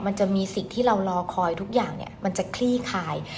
มันจะมีสิ่งที่เรารอคอยทุกอย่างมันจะคลี่คลาย